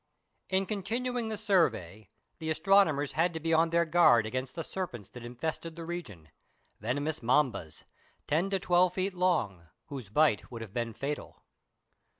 In continuing the survey the astronomers had to be on their guard against the serpents that infested the region, venomous mambas, ten to twelve feet long, whose bite would have been fatal.